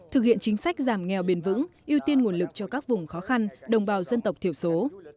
thực hiện chính sách giảm nghèo bền vững ưu tiên nguồn lực cho các vùng khó khăn đồng bào dân tộc thiểu số